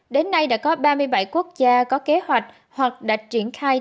đến nay đã có ba mươi bảy quốc gia có kế hoạch hoặc đã triển khai